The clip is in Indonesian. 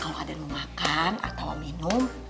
kalau ada yang mau makan atau minum